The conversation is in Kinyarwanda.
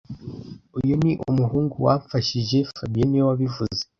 Uyu ni umuhungu wamfashije fabien niwe wabivuze